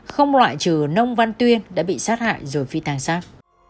không loại trừ nông văn tuyên đã bị sát hại rồi bị tàn sát